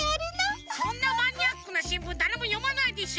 そんなマニアックなしんぶんだれもよまないでしょ！